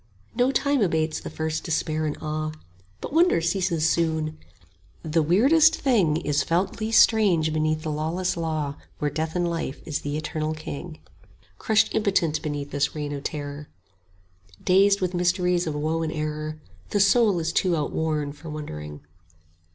No time abates the first despair and awe, But wonder ceases soon; the weirdest thing Is felt least strange beneath the lawless law Where Death in Life is the eternal king; 25 Crushed impotent beneath this reign of terror, Dazed with mysteries of woe and error, The soul is too outworn for wondering.